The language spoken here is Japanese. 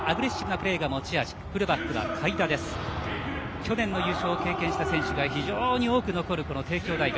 去年の優勝を経験した選手が非常に多く残る帝京大学。